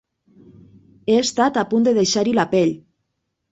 He estat a punt de deixar-hi la pell!